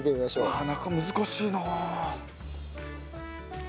ああ中難しいなあ。